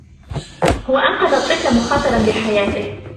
هو أنقذ الطفل مخاطراً بحياته.